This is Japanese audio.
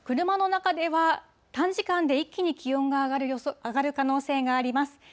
車の中では短時間で一気に気温が上がる可能性があります。